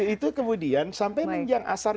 itu kemudian sampai menjelang asar